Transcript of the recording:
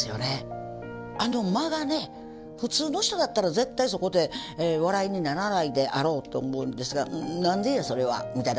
あの間がね普通の人だったら絶対そこで笑いにならないであろうと思うんですが「何でや？それは」みたいな。